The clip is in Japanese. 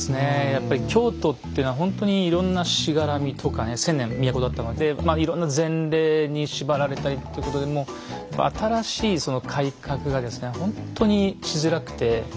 やっぱり京都ってのはほんとにいろんなしがらみとかね千年の都だったのでいろんな前例に縛られたりってことでもう新しい改革がですね